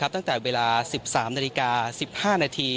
ตั้งแต่เวลา๑๓นาฬิกา๑๕นาที